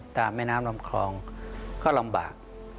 แม่น้ำลำคลองก็ลำบาก